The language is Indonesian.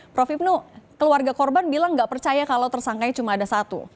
prof ibnu keluarga korban bilang nggak percaya kalau tersangkanya cuma ada satu